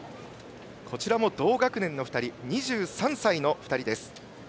こちらも同学年２３歳の２人です。